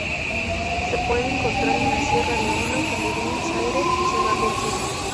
Se puede encontrar en Sierra Leona, Camerún, Zaire y Sudán del Sur.